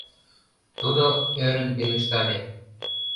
Тудо ӧрын пелештале: